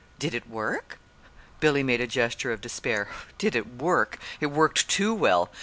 "Did it work?" Billy made a gesture of despair. "Did it work! It worked too well.